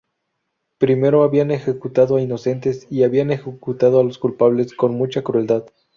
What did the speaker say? Primero, habían ejecutado a inocentes y habían ejecutado a los culpables con mucha crueldad.